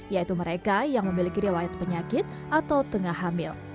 yaitu mereka yang memiliki riwayat penyakit atau tengah hamil